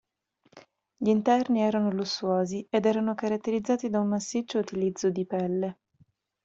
Gli interni erano lussuosi ed erano caratterizzati da un massiccio utilizzo di pelle.